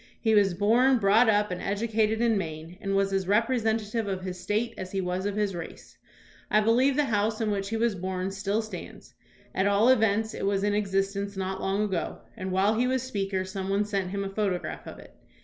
He was born, brought up, and educated in Maine, and was as representative of his State as he was of his race. I believe the house in which he was born still stands. At all events, it was in existence not long ago, and while he was Speaker some one sent him a photo graph of it.